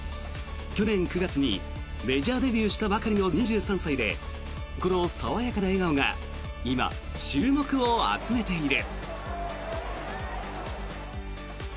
去年９月にメジャーデビューしたばかりの２３歳でこの爽やかな笑顔が今、注目を集めている。